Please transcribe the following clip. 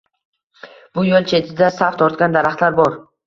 Bu yo’l chetida saf tortgan daraxtlar bor.